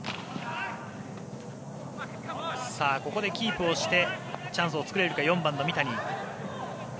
ここでキープしてチャンスを作れるか４番の三谷。